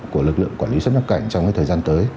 của lực lượng quản lý xuất nhập cảnh trong thời gian tới